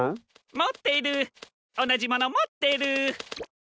もってるおなじものもってる。